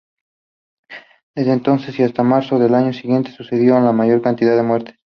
Desde entonces y hasta marzo del año siguiente, sucedieron la mayor cantidad de muertes.